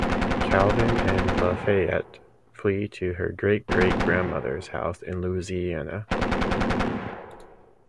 Calvin and LaFayette flee to her great-great-grandmother's house in Louisiana.